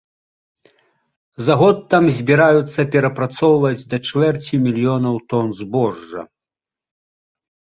За год там збіраюцца перапрацоўваць да чвэрці мільёнаў тон збожжа.